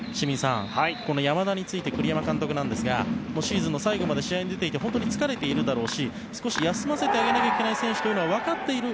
山田について栗山監督ですがシーズンの最後まで試合に出ていて本当に疲れているだろうし少し休ませてあげなきゃいけない選手だというのは分かっている。